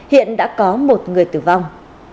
hiện đã có một người tử vong